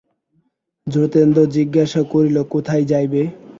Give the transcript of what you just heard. যোগেন্দ্র জিজ্ঞাসা করিল, কোথায় যাইবে।